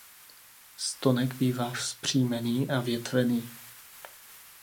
Stonek bývá vzpřímený a větvený.